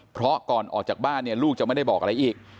เพราะก่อนออกจากบ้านเนี่ยลูกจะไม่ได้บอกอะไรอีก